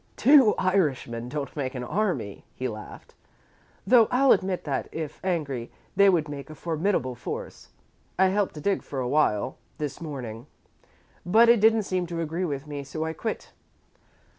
"Two Irishmen don't make an army," he laughed, "though I'll admit that, if angry, they would make a formidable force. I helped to dig for a while this morning, but it didn't seem to agree with me, so I quit.